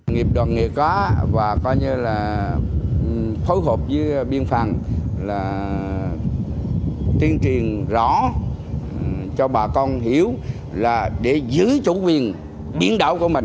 nghiệp đoàn nghề có và coi như là phối hợp với biên phòng là tuyên truyền rõ cho bà con hiểu là để giữ chủ quyền biển đảo của mình